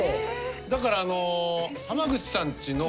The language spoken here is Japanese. だから浜口さんちの。